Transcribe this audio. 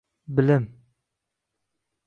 B I L I M